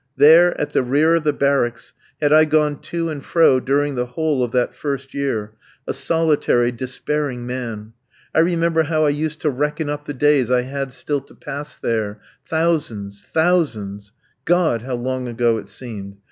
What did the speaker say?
There, at the rear of the barracks, had I gone to and fro during the whole of that first year, a solitary, despairing man. I remember how I used to reckon up the days I had still to pass there thousands, thousands! God! how long ago it seemed.